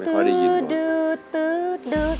ไม่ค่อยได้ยินบ่อย